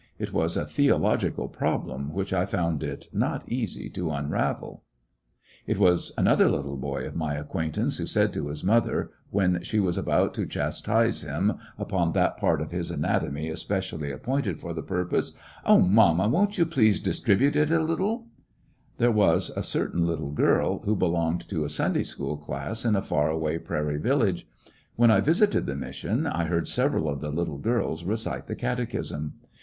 It was a theological problem which I found it not easy to unravel. Wisdom bom It was another little boy of my acquaintance 0/ experience ^^^^^^^^ j^ mother, when she was about to chastise him upon that part of his anatomy especially appointed for the purpose : "Oh, mamma, won't you please distribute it a little!" im'sh it were There was a certain little girl who belonged to a Sunday school class in a far away prairie village. When I visited the mission, I heard several of the little girls recite the catechism.